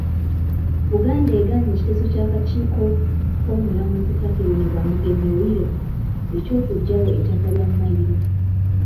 Buganda egaanye ekiteeso ky’akakiiko k’omulamuzi Catherine Bamugemereire eky'okuggyawo ettaka lya mmayiro.